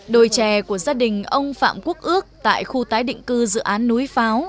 đồi trè của gia đình ông phạm quốc ước tại khu tái định cư dự án núi pháo